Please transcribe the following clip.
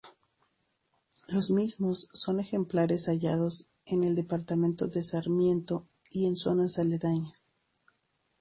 Los mismos son ejemplares hallados en el departamento de Sarmiento y en zonas aledañas